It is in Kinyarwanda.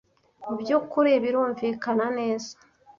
Mubyukuri, birumvikana neza.